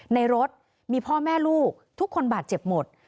ในรถมีพ่อแม่ลูกทุกคนบาดเจ็บหมด